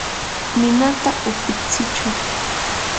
ninata upitsichu.